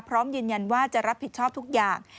พร้อมยืนยันว่าจะรับผิดชอบทุกอย่าง